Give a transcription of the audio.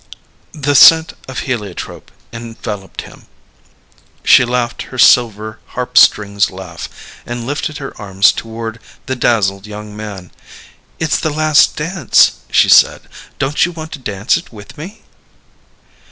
The scent of heliotrope enveloped him; she laughed her silver harp strings laugh, and lifted her arms toward the dazzled young man. "It's the last dance," she said. "Don't you want to dance it with me?"